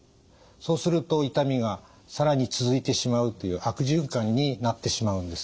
そうすると痛みが更に続いてしまうという悪循環になってしまうんです。